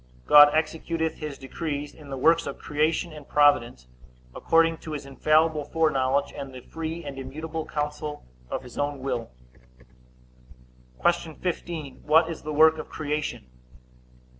God executeth his decrees in the works of creation and providence, according to his infallible foreknowledge, and the free and immutable counsel of his own will. Q. 15. What is the work of creation?